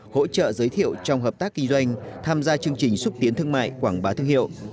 hỗ trợ giới thiệu trong hợp tác kinh doanh tham gia chương trình xúc tiến thương mại quảng bá thương hiệu